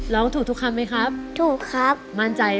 ร้องได้เห็นแม่มีสุขใจ